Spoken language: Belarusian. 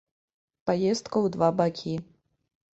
Паездка ў два бакі.